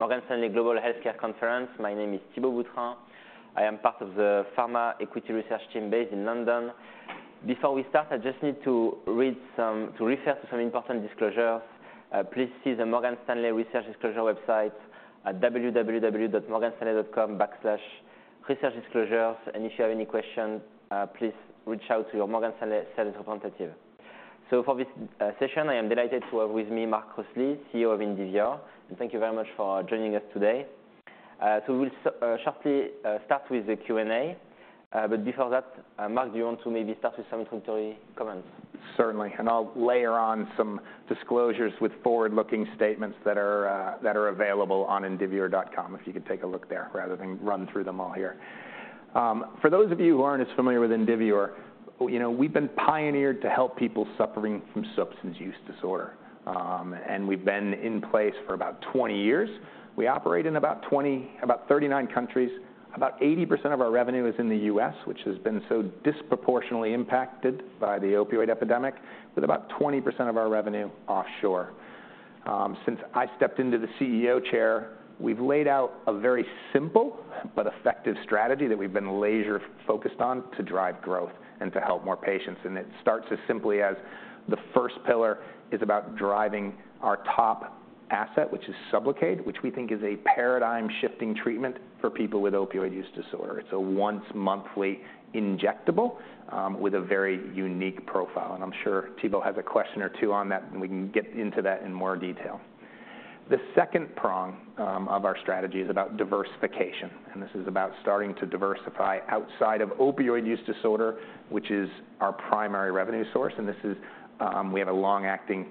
Morgan Stanley Global Healthcare Conference. My name is Thibault Boutherin. I am part of the pharma equity research team based in London. Before we start, I just need to refer to some important disclosures. Please see the Morgan Stanley Research Disclosure website at www.morganstanley.com/researchdisclosures. And if you have any questions, please reach out to your Morgan Stanley sales representative. So for this session, I am delighted to have with me Mark Crossley, CEO of Indivior, and thank you very much for joining us today. So we'll shortly start with the Q&A, but before that, Mark, do you want to maybe start with some introductory comments? Certainly, and I'll layer on some disclosures with forward-looking statements that are available on Indivior.com, if you could take a look there rather than run through them all here. For those of you who aren't as familiar with Indivior, you know, we've been pioneered to help people suffering from substance use disorder. And we've been in place for about 20 years. We operate in about 39 countries. About 80% of our revenue is in the U.S., which has been so disproportionately impacted by the opioid epidemic, with about 20% of our revenue offshore. Since I stepped into the CEO chair, we've laid out a very simple but effective strategy that we've been laser-focused on to drive growth and to help more patients, and it starts as simply as the first pillar is about driving our top asset, which is SUBLOCADE, which we think is a paradigm-shifting treatment for people with opioid use disorder. It's a once-monthly injectable with a very unique profile, and I'm sure Thibault has a question or two on that, and we can get into that in more detail. The second prong of our strategy is about diversification, and this is about starting to diversify outside of opioid use disorder, which is our primary revenue source. We have a long-acting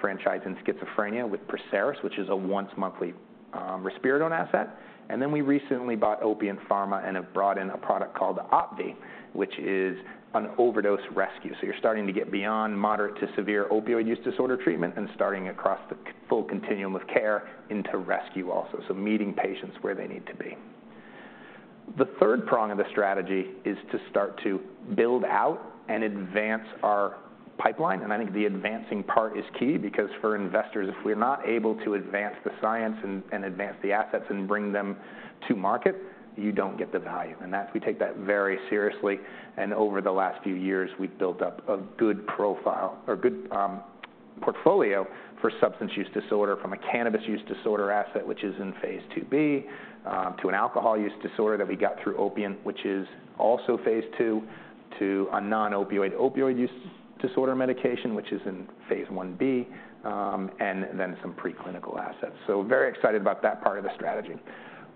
franchise in schizophrenia with PERSERIS, which is a once-monthly risperidone asset. Then we recently bought Opiant Pharmaceuticals and have brought in a product called OPVEE, which is an overdose rescue. So you're starting to get beyond moderate to severe opioid use disorder treatment and starting across the full continuum of care into rescue also, so meeting patients where they need to be. The third prong of the strategy is to start to build out and advance our pipeline, and I think the advancing part is key because, for investors, if we're not able to advance the science and advance the assets and bring them to market, you don't get the value. And that we take that very seriously, and over the last few years, we've built up a good profile or good portfolio for substance use disorder from a cannabis use disorder asset, which is in Phase 2B, to an alcohol use disorder that we got through Opiant, which is also Phase 2, to a non-opioid opioid use disorder medication, which is in Phase 1b, and then some preclinical assets. So very excited about that part of the strategy.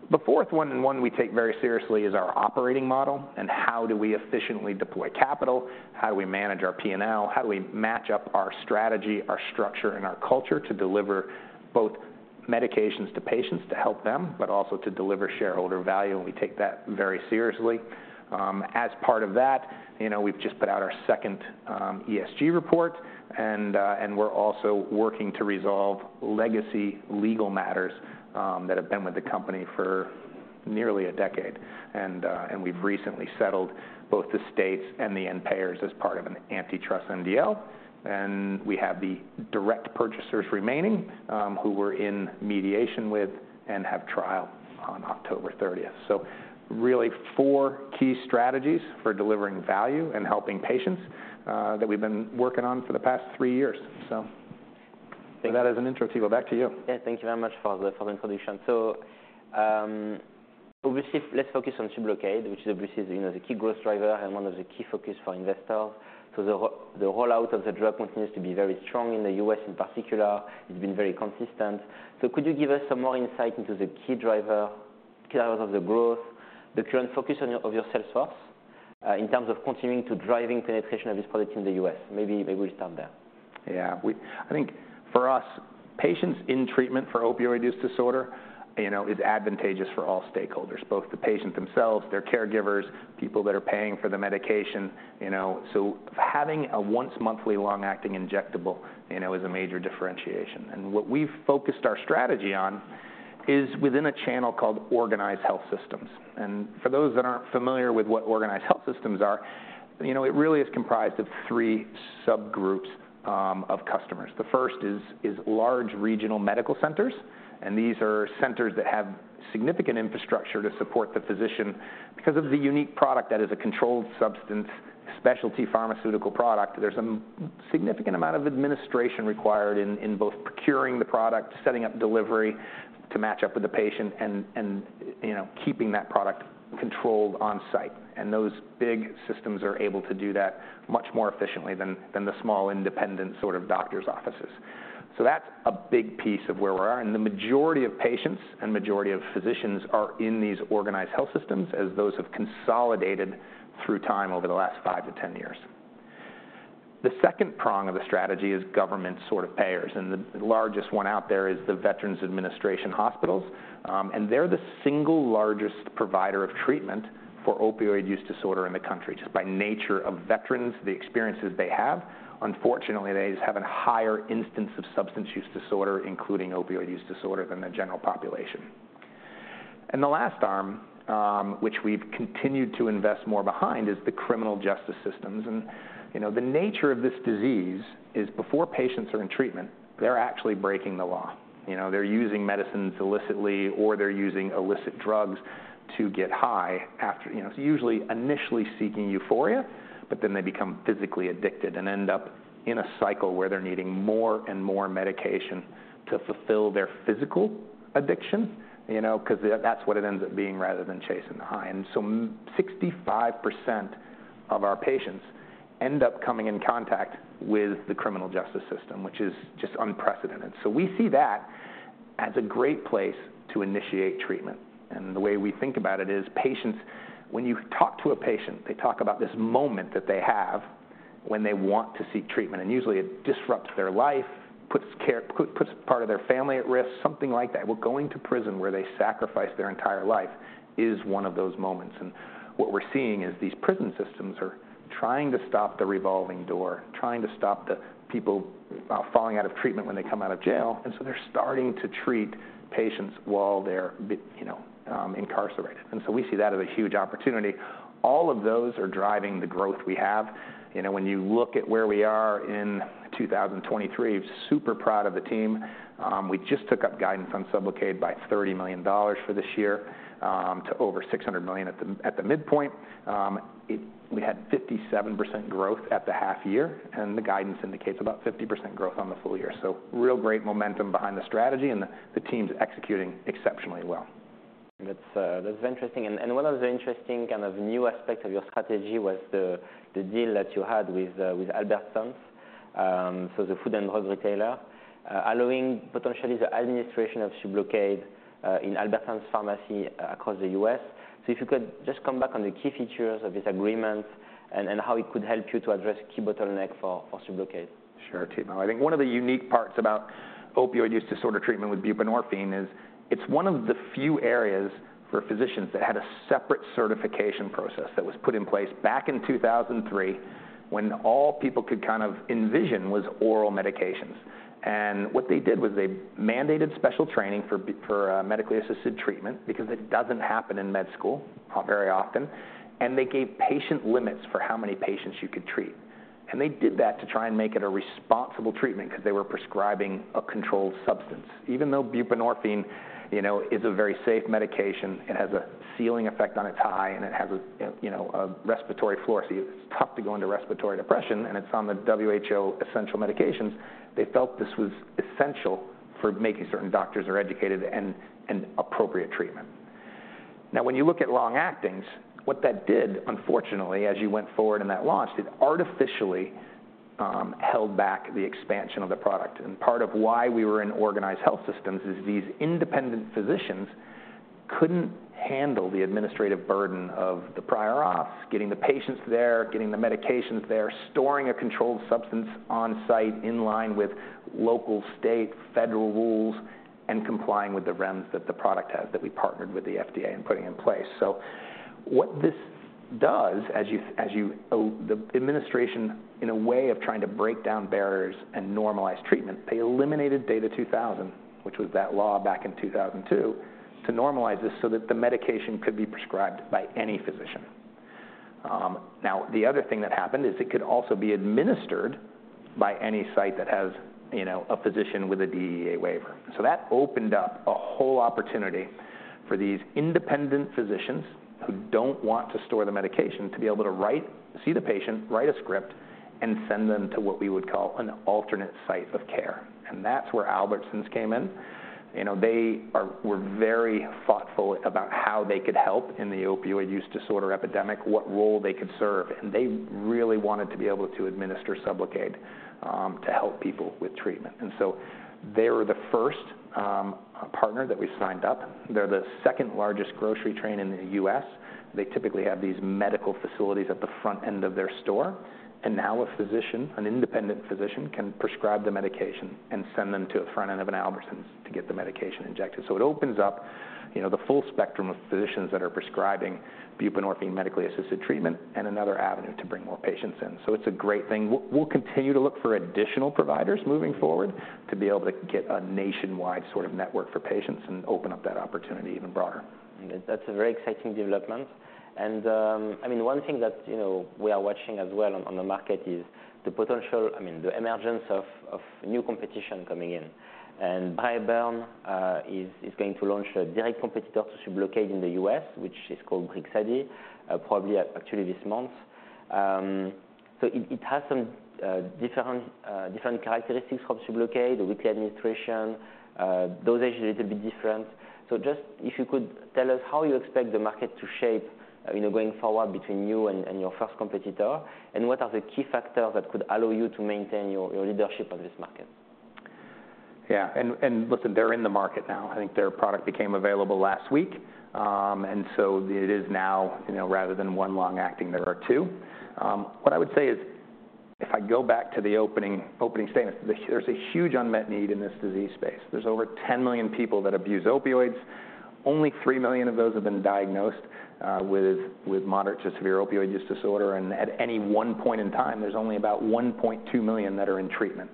The fourth one, and one we take very seriously, is our operating model and how do we efficiently deploy capital? How do we manage our P&L? How do we match up our strategy, our structure, and our culture to deliver both medications to patients to help them, but also to deliver shareholder value, and we take that very seriously. As part of that, you know, we've just put out our second ESG report, and we're also working to resolve legacy legal matters that have been with the company for nearly a decade. We've recently settled both the states and the payers as part of an antitrust MDL, and we have the direct purchasers remaining, who we're in mediation with and have trial on October 30th. So really four key strategies for delivering value and helping patients that we've been working on for the past three years. So take that as an intro, Thibault, back to you. Yeah, thank you very much for the, for the introduction. So, obviously, let's focus on SUBLOCADE, which obviously is, you know, the key growth driver and one of the key focus for investors. So the the rollout of the drug continues to be very strong in the U.S., in particular. It's been very consistent. So could you give us some more insight into the key driver, drivers of the growth, the current focus on your of your sales force, in terms of continuing to driving penetration of this product in the U.S.? Maybe, maybe we'll start there. Yeah, I think for us, patients in treatment for opioid use disorder, you know, is advantageous for all stakeholders, both the patient themselves, their caregivers, people that are paying for the medication, you know. So having a once-monthly long-acting injectable, you know, is a major differentiation. And what we've focused our strategy on is within a channel called organized health systems. And for those that aren't familiar with what organized health systems are, you know, it really is comprised of three subgroups of customers. The first is large regional medical centers, and these are centers that have significant infrastructure to support the physician. Because of the unique product that is a controlled substance, specialty pharmaceutical product, there's a significant amount of administration required in both procuring the product, setting up delivery to match up with the patient, and, you know, keeping that product controlled on-site. And those big systems are able to do that much more efficiently than the small, independent sort of doctor's offices. So that's a big piece of where we are, and the majority of patients and majority of physicians are in these organized health systems, as those have consolidated through time over the last five to 10 years. The second prong of the strategy is government sort of payers, and the largest one out there is the Veterans Administration hospitals, and they're the single largest provider of treatment for opioid use disorder in the country. Just by nature of veterans, the experiences they have, unfortunately, they just have a higher instance of substance use disorder, including opioid use disorder, than the general population. And the last arm, which we've continued to invest more behind, is the criminal justice systems. And, you know, the nature of this disease is before patients are in treatment, they're actually breaking the law. You know, they're using medicines illicitly, or they're using illicit drugs to get high after - you know, it's usually initially seeking euphoria, but then they become physically addicted and end up in a cycle where they're needing more and more medication to fulfill their physical addiction, you know, 'cause that's what it ends up being, rather than chasing the high. And so 65% of our patients end up coming in contact with the criminal justice system, which is just unprecedented. So we see that as a great place to initiate treatment, and the way we think about it is patients—when you talk to a patient, they talk about this moment that they have when they want to seek treatment, and usually it disrupts their life, puts part of their family at risk, something like that. Well, going to prison, where they sacrifice their entire life, is one of those moments, and what we're seeing is these prison systems are trying to stop the revolving door, trying to stop the people falling out of treatment when they come out of jail, and so they're starting to treat patients while they're incarcerated. And so we see that as a huge opportunity. All of those are driving the growth we have. You know, when you look at where we are in 2023, super proud of the team. We just took up guidance on SUBLOCADE by $30 million for this year, to over $600 million at the midpoint. We had 57% growth at the half year, and the guidance indicates about 50% growth on the full year. So real great momentum behind the strategy, and the team's executing exceptionally well. That's, that's interesting. And one of the interesting kind of new aspects of your strategy was the deal that you had with Albertsons, so the food and drug retailer, allowing potentially the administration of SUBLOCADE in Albertsons pharmacy across the U.S. So if you could just come back on the key features of this agreement and how it could help you to address key bottleneck for SUBLOCADE. Sure, Thibault. I think one of the unique parts about opioid use disorder treatment with buprenorphine is it's one of the few areas for physicians that had a separate certification process that was put in place back in 2003, when all people could kind of envision was oral medications. What they did was they mandated special training for medically assisted treatment because it doesn't happen in med school very often, and they gave patient limits for how many patients you could treat. They did that to try and make it a responsible treatment because they were prescribing a controlled substance. Even though buprenorphine, you know, is a very safe medication, it has a ceiling effect on its high, and it has a, you know, a respiratory floor, so it's tough to go into respiratory depression, and it's on the WHO essential medications, they felt this was essential for making certain doctors are educated and appropriate treatment. Now, when you look at long-actings, what that did, unfortunately, as you went forward in that launch, it artificially held back the expansion of the product. Part of why we were in organized health systems is these independent physicians couldn't handle the administrative burden of the prior auths, getting the patients there, getting the medications there, storing a controlled substance on-site, in line with local, state, federal rules, and complying with the REMS that the product has, that we partnered with the FDA in putting in place. So what this does, as the administration, in a way of trying to break down barriers and normalize treatment, they eliminated DATA 2000, which was that law back in 2002, to normalize this so that the medication could be prescribed by any physician. Now, the other thing that happened is it could also be administered by any site that has, you know, a physician with a DEA waiver. So that opened up a whole opportunity for these independent physicians who don't want to store the medication, to be able to see the patient, write a script, and send them to what we would call an alternate site of care. And that's where Albertsons came in. You know, they are... We're very thoughtful about how they could help in the opioid use disorder epidemic, what role they could serve, and they really wanted to be able to administer SUBLOCADE to help people with treatment. So they were the first partner that we signed up. They're the second-largest grocery chain in the U.S. They typically have these medical facilities at the front end of their store, and now a physician, an independent physician, can prescribe the medication and send them to a front end of an Albertsons to get the medication injected. So it opens up, you know, the full spectrum of physicians that are prescribing buprenorphine medically assisted treatment and another avenue to bring more patients in. So it's a great thing. We'll continue to look for additional providers moving forward to be able to get a nationwide sort of network for patients and open up that opportunity even broader. That's a very exciting development. And, I mean, one thing that, you know, we are watching as well on, on the market is the potential—I mean, the emergence of, of new competition coming in. And Braeburn is going to launch a direct competitor to SUBLOCADE in the U.S., which is called Brixadi, probably actually this month. So it has some different, different characteristics from SUBLOCADE, the weekly administration dosage is a bit different. So just if you could tell us how you expect the market to shape, you know, going forward between you and your first competitor, and what are the key factors that could allow you to maintain your leadership on this market? Yeah, and listen, they're in the market now.I think their product became available last week, and so it is now, you know, rather than one long-acting, there are two. What I would say is, if I go back to the opening statement, there's a huge unmet need in this disease space. There's over 10 million people that abuse opioids. Only three million of those have been diagnosed with moderate to severe opioid use disorder, and at any one point in time, there's only about 1.2 million that are in treatmentSo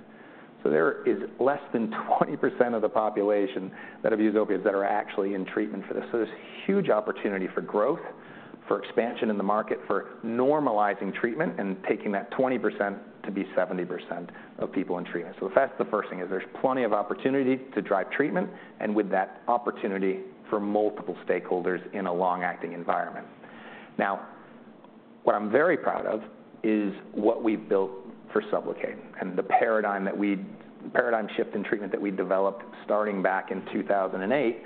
there is less than 20% of the population that have used opioids that are actually in treatment for this. So there's huge opportunity for growth, for expansion in the market, for normalizing treatment and taking that 20% to be 70% of people in treatment. So that's the first thing, is there's plenty of opportunity to drive treatment, and with that opportunity for multiple stakeholders in a long-acting environment. Now, what I'm very proud of is what we've built for SUBLOCADE and the paradigm shift in treatment that we developed starting back in 2008,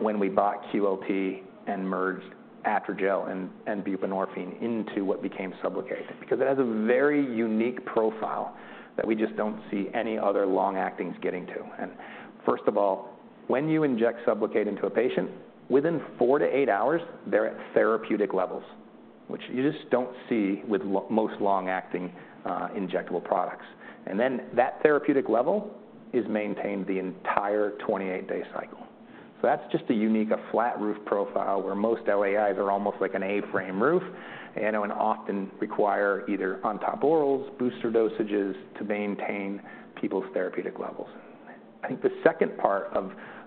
when we bought QLT and merged Atrigel and buprenorphine into what became SUBLOCADE. Because it has a very unique profile that we just don't see any other long-actings getting to. And first of all, when you inject SUBLOCADE into a patient, within four-eight hours, they're at therapeutic levels, which you just don't see with most long-acting injectable products. And then that therapeutic level is maintained the entire 28-day cycle. So that's just a unique, a flat roof profile, where most LAIs are almost like an A-frame roof and often require either on-top orals, booster dosages to maintain people's therapeutic levels. I think the second part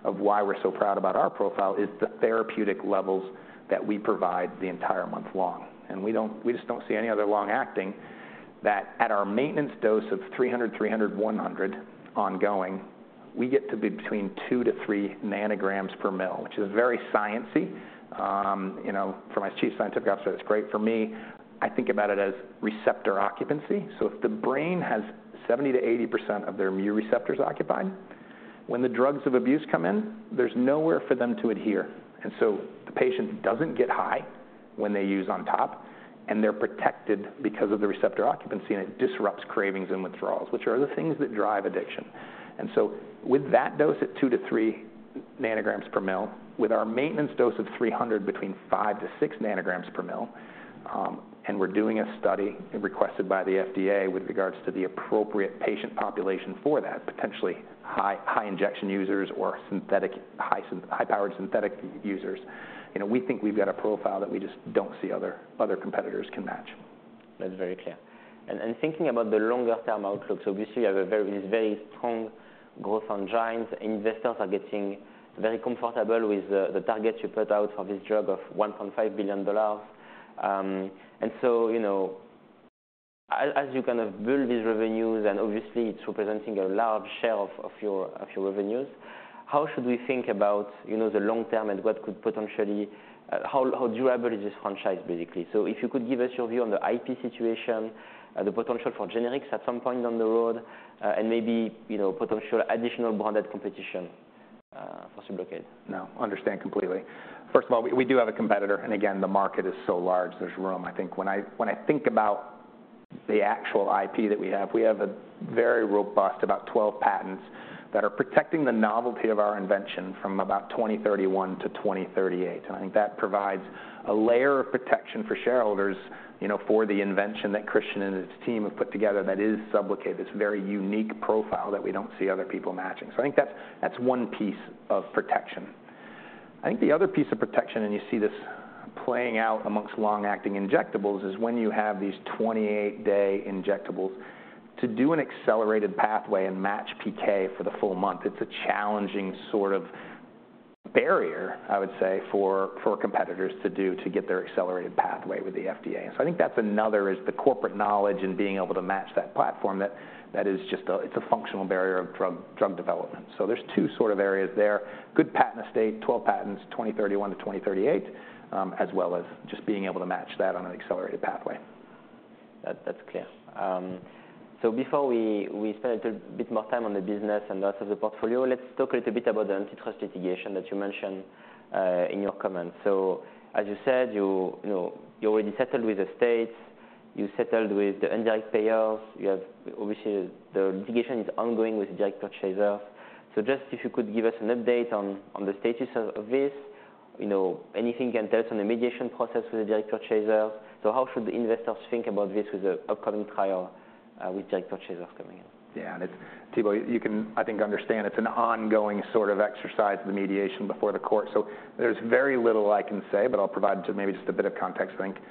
of why we're so proud about our profile is the therapeutic levels that we provide the entire month long. And we don't-- we just don't see any other long-acting that at our maintenance dose of 300, 300, 100 ongoing, we get to be between 2-3 nanograms per ml, which is very sciencey. You know, for my Chief Scientific Officer, it's great for me. I think about it as receptor occupancy. So if the brain has 70%-80% of their mu receptors occupied, when the drugs of abuse come in, there's nowhere for them to adhere, and so the patient doesn't get high when they use on top, and they're protected because of the receptor occupancy, and it disrupts cravings and withdrawals, which are the things that drive addiction. So with that dose at 2-3 nanograms per ml, with our maintenance dose of 300 between 5-6 nanograms per ml, and we're doing a study requested by the FDA with regards to the appropriate patient population for that, potentially high injection users or high-powered synthetic users. You know, we think we've got a profile that we just don't see other competitors can match. That's very clear. And, and thinking about the longer-term outlook, so obviously you have a very, very strong growth on SUBLOCADE. Investors are getting very comfortable with the, the target you put out for this drug of $1.5 billion. And so, you know, as, as you kind of build these revenues, and obviously it's representing a large share of, of your, of your revenues, how should we think about, you know, the long term and what could potentially... How, how durable is this franchise, basically? So if you could give us your view on the IP situation, the potential for generics at some point down the road, and maybe, you know, potential additional branded competition, for SUBLOCADE. No, understand completely. First of all, we, we do have a competitor, and again, the market is so large, there's room. I think when I-- when I think about the actual IP that we have, we have a very robust, about 12 patents, that are protecting the novelty of our invention from about 2031 to 2038. And I think that provides a layer of protection for shareholders, you know, for the invention that Christian and his team have put together that is SUBLOCADE, this very unique profile that we don't see other people matching. So I think that's, that's one piece of protection. I think the other piece of protection, and you see this playing out amongst long-acting injectables, is when you have these 28-day injectables, to do an accelerated pathway and match PK for the full month, it's a challenging sort of barrier, I would say, for competitors to do to get their accelerated pathway with the FDA. So I think that's another, is the corporate knowledge and being able to match that platform, that is just a-- it's a functional barrier of drug development. So there's two sort of areas there, good patent estate, 12 patents, 2031-2038, as well as just being able to match that on an accelerated pathway. That's clear. So before we spend a little bit more time on the business and the rest of the portfolio, let's talk a little bit about the antitrust litigation that you mentioned in your comments. So as you said, you know, you already settled with the states, you settled with the indirect payers, you have obviously the litigation is ongoing with direct purchaser. So just if you could give us an update on the status of this, you know, anything you can tell us on the mediation process with the direct purchaser? So how should the investors think about this with the upcoming trial with direct purchasers coming in? Yeah, it's... Thibault, you can, I think, understand it's an ongoing sort of exercise, the mediation before the court. So there's very little I can say, but I'll provide maybe just a bit of context. I think, you know,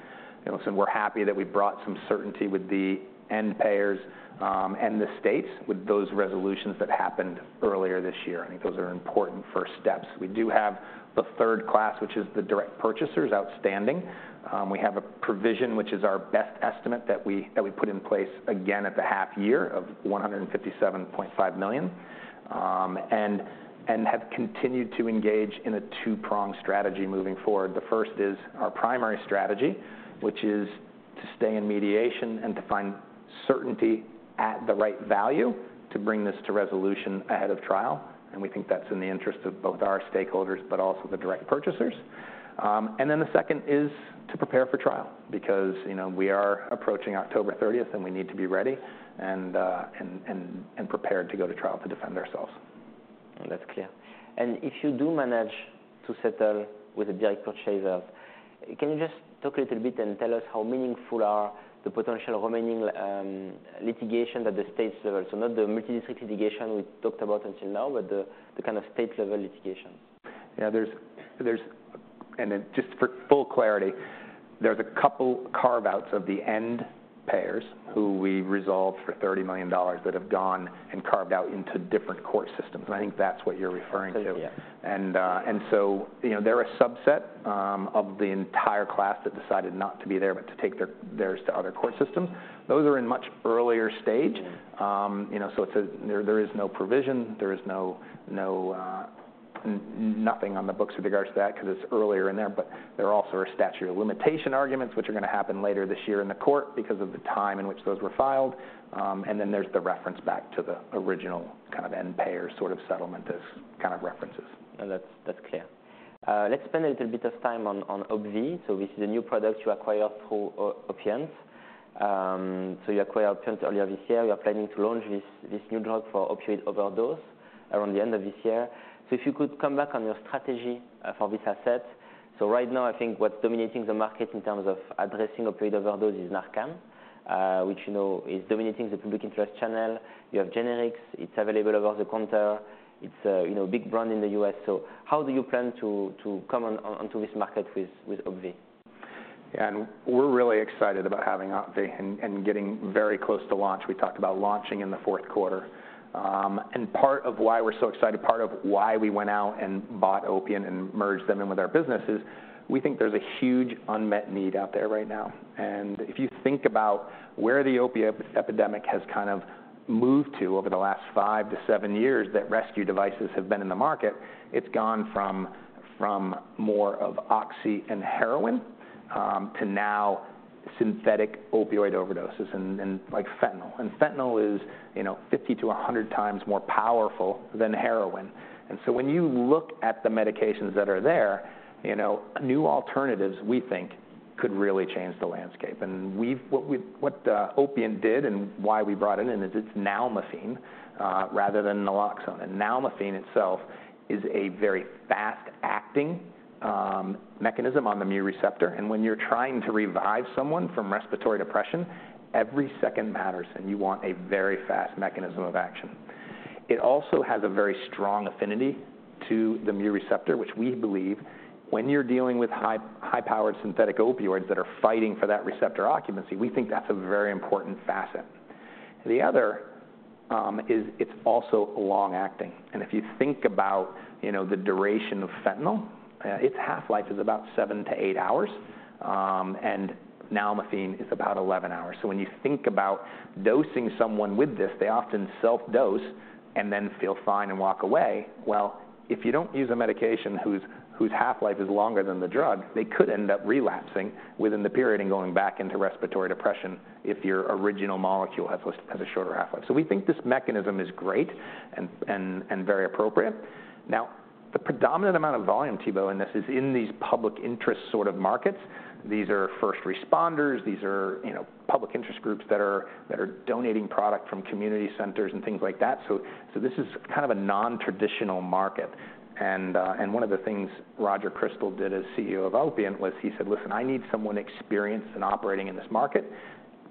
so we're happy that we brought some certainty with the end payers, and the states with those resolutions that happened earlier this year. I think those are important first steps. We do have the third class, which is the direct purchasers, outstanding. We have a provision, which is our best estimate, that we put in place again at the half year of 157.5 million, and have continued to engage in a two-pronged strategy moving forward. The first is our primary strategy, which is to stay in mediation and to find certainty at the right value to bring this to resolution ahead of trial, and we think that's in the interest of both our stakeholders, but also the direct purchasers. And then the second is to prepare for trial, because, you know, we are approaching October thirtieth, and we need to be ready and prepared to go to trial to defend ourselves. That's clear. If you do manage to settle with the direct purchasers, can you just talk a little bit and tell us how meaningful are the potential remaining litigation at the state level? Not the multi-district litigation we talked about until now, but the kind of state-level litigation. Yeah. And then, just for full clarity, there's a couple carve-outs of the end payers who we resolved for $30 million that have gone and carved out into different court systems, and I think that's what you're referring to. Yeah. And so, you know, they're a subset of the entire class that decided not to be there, but to take theirs to other court systems. Those are in much earlier stage. Mm-hmm. You know, so it's there, there is no provision, there is no, no, nothing on the books with regards to that, 'cause it's earlier in there. But there are also statute of limitation arguments, which are gonna happen later this year in the court because of the time in which those were filed. And then there's the reference back to the original kind of end payer sort of settlement as kind of references. That's clear. Let's spend a little bit of time on OPVEE. So this is a new product you acquired through Opiant. So you acquired Opiant earlier this year. You're planning to launch this new drug for opioid overdose around the end of this year. So if you could come back on your strategy for this asset. So right now, I think what's dominating the market in terms of addressing opioid overdose is Narcan, which, you know, is dominating the public interest channel. You have generics, it's available over the counter, it's a you know big brand in the U.S. So how do you plan to come on to this market with OPVEE? Yeah, and we're really excited about having OPVEE and getting very close to launch. We talked about launching in the fourth quarter. And part of why we're so excited, part of why we went out and bought Opiant and merged them in with our business is, we think there's a huge unmet need out there right now. And if you think about where the opioid epidemic has kind of moved to over the last five-seven years, that rescue devices have been in the market, it's gone from more of oxy and heroin to now synthetic opioid overdoses and like fentanyl. And fentanyl is, you know, 50-100 times more powerful than heroin. And so when you look at the medications that are there, you know, new alternatives, we think, could really change the landscape. What Opiant did and why we brought it in is it's nalmefene rather than naloxone. And nalmefene itself is a very fast-acting mechanism on the mu receptor. And when you're trying to revive someone from respiratory depression, every second matters, and you want a very fast mechanism of action. It also has a very strong affinity to the mu receptor, which we believe when you're dealing with high, high-powered synthetic opioids that are fighting for that receptor occupancy, we think that's a very important facet. The other is it's also long-acting. And if you think about, you know, the duration of fentanyl, its half-life is about seven-eight hours, and nalmefene is about 11 hours. So when you think about dosing someone with this, they often self-dose and then feel fine and walk away. Well, if you don't use a medication whose half-life is longer than the drug, they could end up relapsing within the period and going back into respiratory depression if your original molecule has a shorter half-life. So we think this mechanism is great and very appropriate. Now, the predominant amount of volume, Thibault, in this, is in these public interest sort of markets. These are first responders, these are, you know, public interest groups that are donating product from community centers and things like that. So this is kind of a non-traditional market. And one of the things Roger Crystal did as CEO of Opiant was he said: "Listen, I need someone experienced in operating in this market."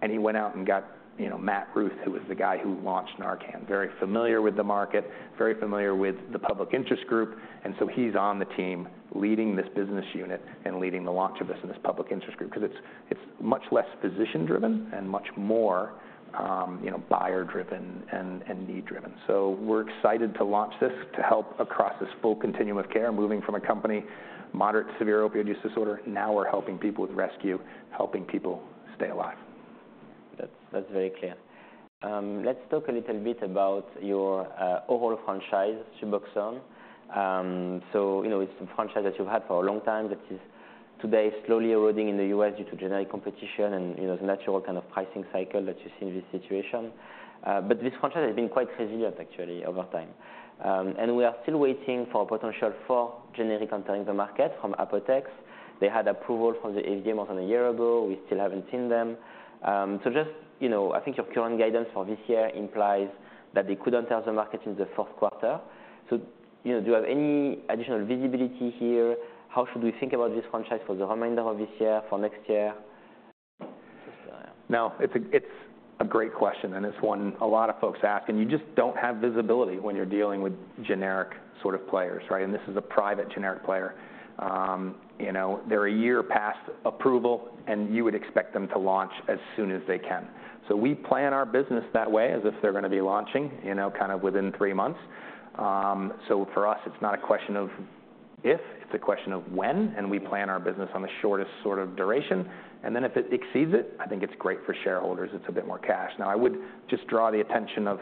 And he went out and got, you know, Matt Ruth, who was the guy who launched Narcan. Very familiar with the market, very familiar with the public interest group, and so he's on the team leading this business unit and leading the launch of this in this public interest group, 'cause it's much less physician-driven and much more, you know, buyer-driven and need-driven. So we're excited to launch this to help across this full continuum of care, moving from a company, moderate to severe opioid use disorder, now we're helping people with rescue, helping people stay alive. That's very clear. Let's talk a little bit about your overall franchise, SUBOXONE. So, you know, it's a franchise that you've had for a long time, that is today slowly eroding in the U.S. due to generic competition and, you know, the natural kind of pricing cycle that you see in this situation. But this franchise has been quite resilient, actually, over time. And we are still waiting for potential for generic entering the market from Apotex. They had approval from the FDA more than a year ago; we still haven't seen them. So just, you know, I think your current guidance for this year implies that they could enter the market in the fourth quarter. So, you know, do you have any additional visibility here? How should we think about this franchise for the remainder of this year, for next year? Just, uh... No, it's a great question, and it's one a lot of folks ask, and you just don't have visibility when you're dealing with generic sort of players, right? And this is a private generic player. You know, they're a year past approval, and you would expect them to launch as soon as they can. So we plan our business that way, as if they're gonna be launching, you know, kind of within three months. So for us, it's not a question of if, it's a question of when, and we plan our business on the shortest sort of duration. And then if it exceeds it, I think it's great for shareholders, it's a bit more cash. Now, I would just draw the attention of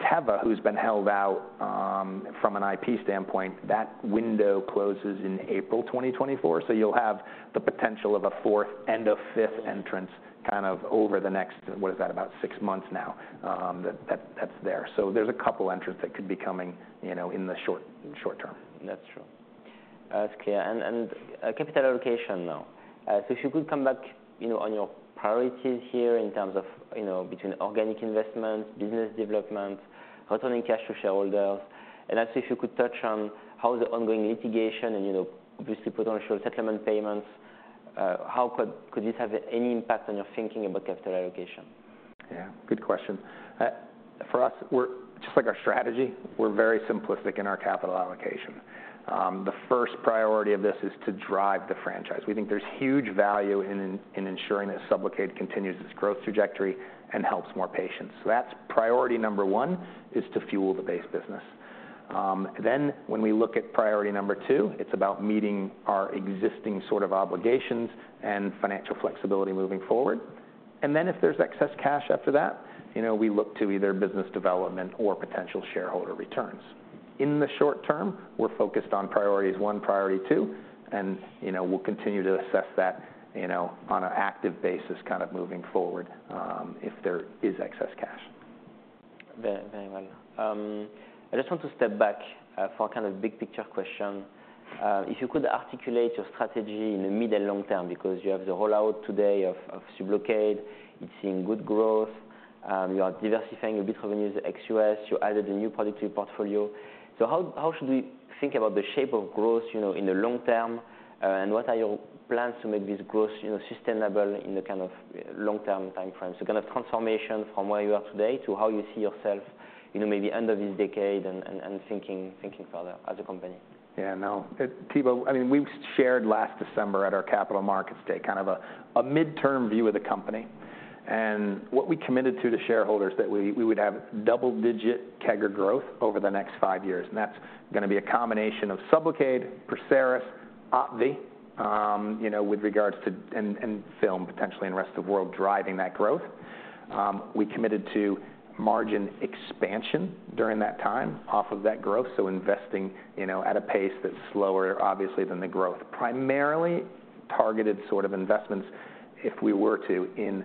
Teva, who's been held out, from an IP standpoint. That window closes in April 2024, so you'll have the potential of a fourth and a fifth entrant kind of over the next, what is that? About six months now, that's there. So there's a couple entrants that could be coming, you know, in the short, short term. That's true. That's clear. Capital allocation now. So if you could come back, you know, on your priorities here in terms of, you know, between organic investments, business development, returning cash to shareholders. And also if you could touch on how the ongoing litigation and, you know, obviously potential settlement payments, how could this have any impact on your thinking about capital allocation? Yeah, good question. For us, we're just like our strategy, we're very simplistic in our capital allocation. The first priority of this is to drive the franchise. We think there's huge value in, in ensuring that SUBLOCADE continues its growth trajectory and helps more patients. So that's priority number one, is to fuel the base business. Then when we look at priority number two, it's about meeting our existing sort of obligations and financial flexibility moving forward. And then if there's excess cash after that, you know, we look to either business development or potential shareholder returns. In the short term, we're focused on priorities one, priority two, and, you know, we'll continue to assess that, you know, on an active basis, kind of moving forward, if there is excess cash. Very, very well. I just want to step back for kind of big-picture question. If you could articulate your strategy in the mid- and long-term, because you have the rollout today of SUBLOCADE, it's seeing good growth, you are diversifying your base revenues ex-US, you added a new product to your portfolio. So how should we think about the shape of growth, you know, in the long term? And what are your plans to make this growth, you know, sustainable in the kind of long-term timeframe? So kind of transformation from where you are today to how you see yourself, you know, maybe end of this decade and thinking further as a company. Yeah, no. Thibault, I mean, we shared last December at our Capital Markets Day, kind of a midterm view of the company. And what we committed to the shareholders that we would have double-digit CAGR growth over the next five years, and that's gonna be a combination of SUBLOCADE, PERSERIS, OPVEE, you know, with regards to... and film potentially in the rest of the world, driving that growth. We committed to margin expansion during that time off of that growth, so investing, you know, at a pace that's slower, obviously, than the growth. Primarily targeted sort of investments, if we were to, in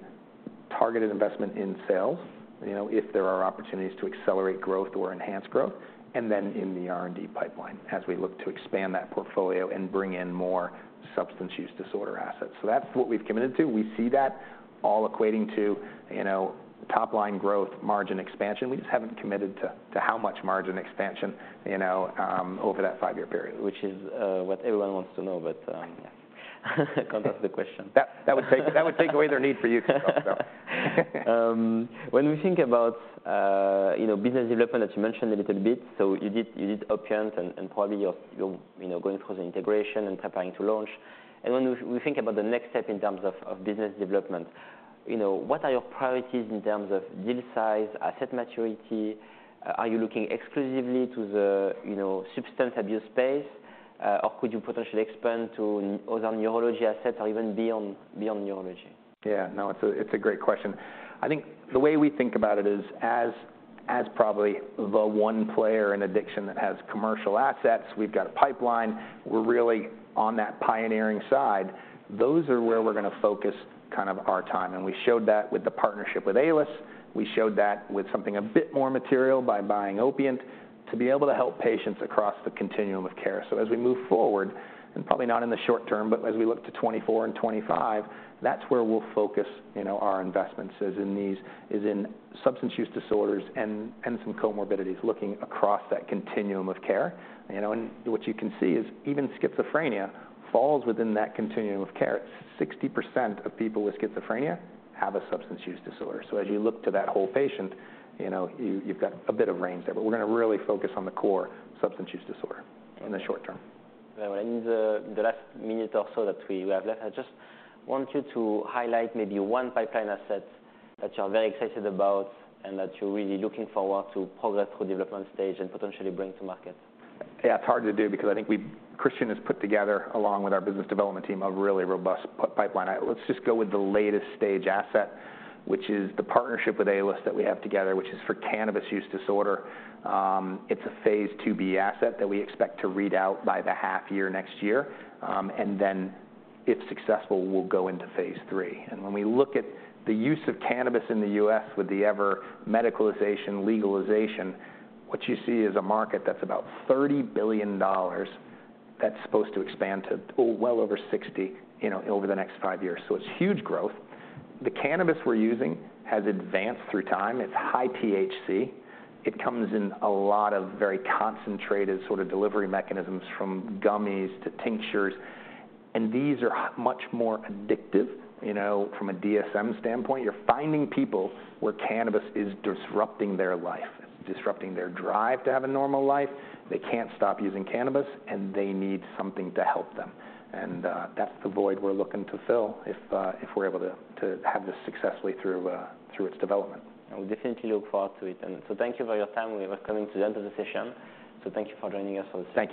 targeted investment in sales, you know, if there are opportunities to accelerate growth or enhance growth, and then in the R&D pipeline, as we look to expand that portfolio and bring in more substance use disorder assets. That's what we've committed to. We see that all equating to, you know, top line growth, margin expansion. We just haven't committed to how much margin expansion, you know, over that five-year period. Which is what everyone wants to know, but yeah, come to the question. That would take away the need for you to come, so. When we think about, you know, business development, as you mentioned a little bit, so you did, you did Opiant, and, and probably you're, you're, you know, going through the integration and preparing to launch. And when we, we think about the next step in terms of, of business development, you know, what are your priorities in terms of deal size, asset maturity? Are you looking exclusively to the, you know, substance abuse space, or could you potentially expand to other neurology assets or even beyond, beyond neurology? Yeah, no, it's a, it's a great question. I think the way we think about it is, as, as probably the one player in addiction that has commercial assets, we've got a pipeline, we're really on that pioneering side. Those are where we're gonna focus kind of our time, and we showed that with the partnership with Aelis. We showed that with something a bit more material by buying Opiant, to be able to help patients across the continuum of care. So as we move forward, and probably not in the short term, but as we look to 2024 and 2025, that's where we'll focus, you know, our investments, is in these- is in substance use disorders and, and some comorbidities, looking across that continuum of care. You know, and what you can see is even schizophrenia falls within that continuum of care. 60% of people with schizophrenia have a substance use disorder. So as you look to that whole patient, you know, you've, you've got a bit of range there, but we're gonna really focus on the core substance use disorder in the short term. Well, in the last minute or so that we have left, I just want you to highlight maybe one pipeline asset that you're very excited about and that you're really looking forward to progress through development stage and potentially bring to market. Yeah, it's hard to do because I think Christian has put together, along with our business development team, a really robust pipeline. Let's just go with the latest stage asset, which is the partnership with Aelis that we have together, which is for cannabis use disorder. It's a phase IIb asset that we expect to read out by the half year next year, and then, if successful, we'll go into phase III. When we look at the use of cannabis in the U.S. with the ever medicalization, legalization, what you see is a market that's about $30 billion that's supposed to expand to well over $60 billion, you know, over the next five years. So it's huge growth. The cannabis we're using has advanced through time. It's high THC. It comes in a lot of very concentrated sort of delivery mechanisms, from gummies to tinctures, and these are much more addictive, you know, from a DSM standpoint. You're finding people where cannabis is disrupting their life, disrupting their drive to have a normal life. They can't stop using cannabis, and they need something to help them. That's the void we're looking to fill if we're able to have this successfully through its development. I definitely look forward to it, and so thank you for your time. We are coming to the end of the session, so thank you for joining us on this-